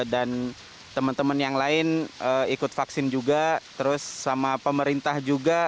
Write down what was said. dan teman teman yang lain ikut vaksin juga terus sama pemerintah juga